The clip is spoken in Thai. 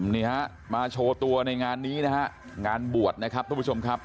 นี่ฮะมาโชว์ตัวในงานนี้นะฮะงานบวชนะครับทุกผู้ชมครับ